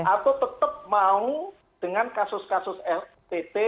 atau tetap mau dengan kasus kasus ltt